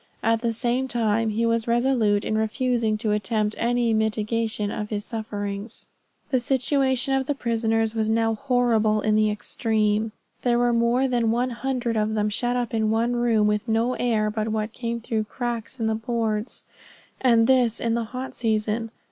At the same time he was resolute in refusing to attempt any mitigation of his sufferings. The situation of the prisoners was now horrible in the extreme. There were more than one hundred of them shut up in one room, with no air but what came through cracks in the boards, and this in the hot season.